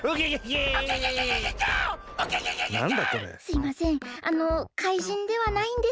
すいません